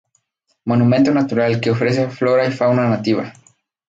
Monumento Natural que ofrece flora y fauna nativa.